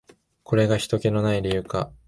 これがひとけの無い理由か。